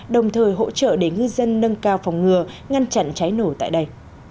đồng thời hỗ trợ để ngư dân nâng cao phòng ngừa ngăn chặn cháy nổ tại đây